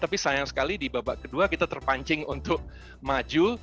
tapi sayang sekali di babak kedua kita terpancing untuk maju